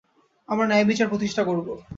আমরা ন্যায়বিচার প্রতিষ্ঠা করব।